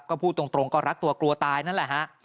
ก็พูดตรงก็รักตัวกลัวตายนั่นแหละฮะ